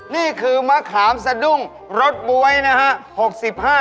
นี่คือมะขามสะดุ้งรสบ๊วยนะฮะ